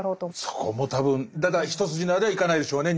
そこも多分一筋縄ではいかないでしょうね。